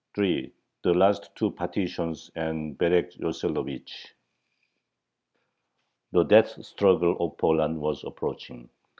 3. THE LAST TWO PARTITIONS AND BEREK YOSELOVICH The death struggle of Poland was approaching.